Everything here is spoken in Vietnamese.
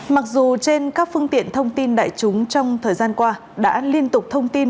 mặc dù trên các phương tiện thông tin đại chúng trong thời gian qua đã liên tục thông tin